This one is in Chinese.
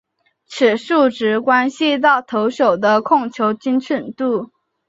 此数值关系到投手的控球精准度。